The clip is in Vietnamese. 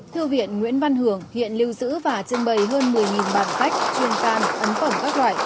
thư viện nguyễn văn hưởng hiện lưu giữ và trưng bày hơn một mươi bản sách chuyên tam ấn phẩm các loại